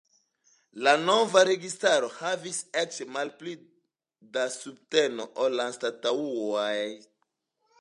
La nova registaro havis eĉ malpli da subteno ol la antaŭaj.